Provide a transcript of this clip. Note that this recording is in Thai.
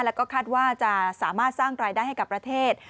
แล้วก็คาดว่าจะสามารถสร้างรายได้ให้กับประเทศ